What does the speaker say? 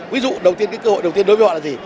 ví dụ cái cơ hội đầu tiên đối với họ là gì